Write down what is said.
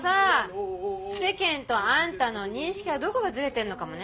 世間とあんたの認識がどこかズレてんのかもね。